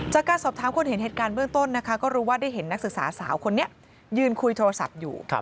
จากการสอบถามคนเห็นเหตุการณ์เบื้องต้นนะคะก็รู้ว่าได้เห็นนักศึกษาสาวคนนี้ยืนคุยโทรศัพท์อยู่